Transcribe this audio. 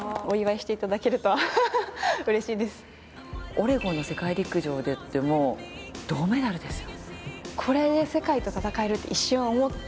オレゴンの世界陸上でも銅メダルですよ。